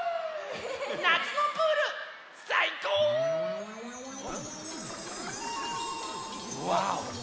なつのプールさいこう！わお！